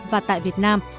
và tại việt nam